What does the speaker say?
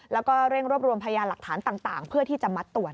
แล้วก็เร่งรวบรวมพยานหลักฐานต่างเพื่อที่จะมัดตรวจ